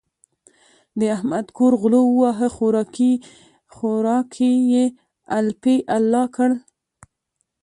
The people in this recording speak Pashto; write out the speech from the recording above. د احمد کور غلو وواهه؛ خوراکی يې الپی الا کړ.